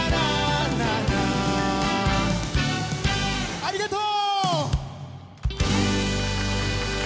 ありがとう！